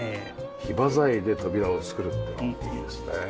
ヒバ材で扉を作るってのはいいですね。